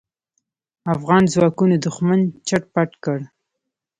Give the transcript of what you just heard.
افغان ځواکونو دوښمن چټ پټ کړ.